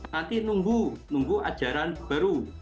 nanti nunggu nunggu ajaran baru